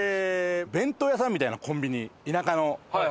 弁当屋さんみたいなコンビニ田舎の。